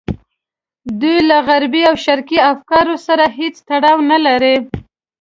دوی له غربي او شرقي افکارو سره هېڅ تړاو نه لري.